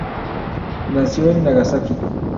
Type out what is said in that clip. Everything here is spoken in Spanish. Nació en Nagasaki.